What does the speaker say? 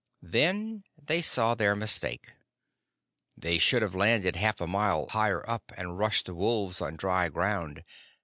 Then they saw their mistake. They should have landed half a mile higher up, and rushed the wolves on dry ground.